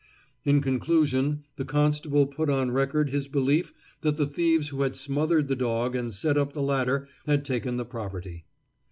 In conclusion, the constable put on record his belief that the thieves who had smothered the dog and set up the ladder had taken the property.